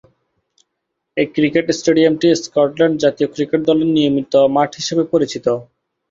এ cricket স্টেডিয়ামটি Scotland জাতীয় cricket দলের নিয়মিত মাঠ হিসেবে পরিচিত।